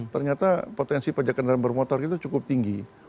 ternyata potensi pajak kendaraan bermotor kita cukup tinggi